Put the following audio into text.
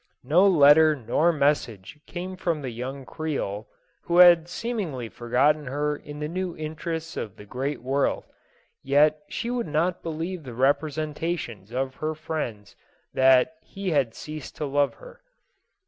No letter nor message came from the young Creole, who had seem ingly forgotten her in the new interests of the great world, yet she would not believe the representation's of her friends that he had ceased to love her.